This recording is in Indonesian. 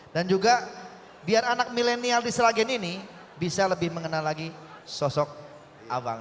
dan juga biar anak milenial di selagen ini bisa lebih mengenal lagi sosok abang